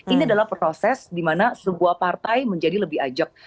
ini adalah proses di mana sebuah partai menjadi lebih ajak